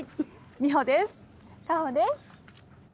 果穂です。